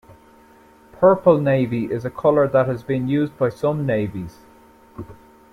Purple navy is a color that has been used by some navies.